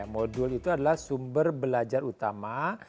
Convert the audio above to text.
modul itu adalah sumber belajar utama